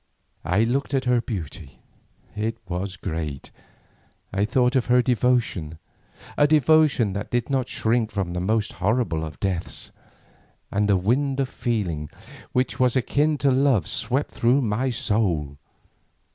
I looked at her beauty, it was great; I thought of her devotion, a devotion that did not shrink from the most horrible of deaths, and a wind of feeling which was akin to love swept through my soul.